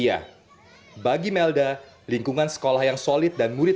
atau cukup sometimes master